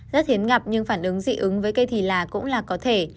rất hiến ngập nhưng phản ứng dị ứng với cây thì là cũng là có thể